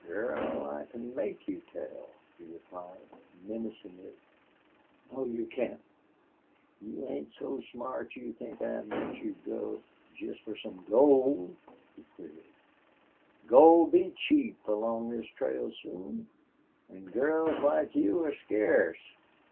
"Girl, I can make you tell," he replied, menacingly. "No, you can't." "You ain't so smart you think I'll let you go jest for some gold?" he queried. "Gold'll be cheap along this trail soon. An' girls like you are scarce."